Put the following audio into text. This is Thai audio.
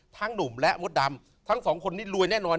หนุ่มและมดดำทั้งสองคนนี้รวยแน่นอน